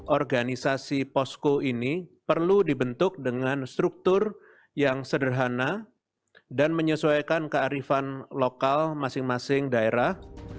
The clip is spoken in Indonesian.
organisasi posko ini perlu dibentuk dengan struktur yang sederhana dan menyesuaikan kearifan lokal masing masing daerah